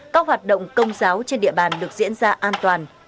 các hoạt động công giáo trên địa bàn được diễn ra an toàn